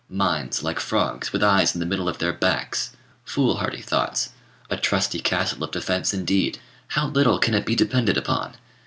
Minds like frogs, with eyes in the middle of their backs! Foolhardy thoughts! A trusty castle of defence indeed! How little can it be depended upon!